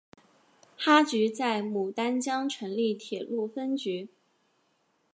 哈局在牡丹江成立铁路分局。